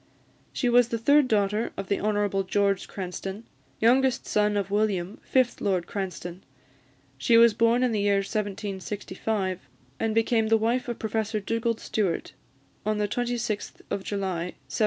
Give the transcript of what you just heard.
She was the third daughter of the Hon. George Cranstoun, youngest son of William, fifth Lord Cranstoun. She was born in the year 1765, and became the wife of Professor Dugald Stewart on the 26th July 1790.